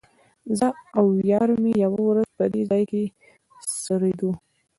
زه او یار مې یوه ورځ په دې ځای کې څریدو.